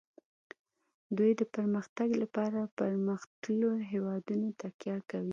دوی د پرمختګ لپاره په پرمختللو هیوادونو تکیه کوي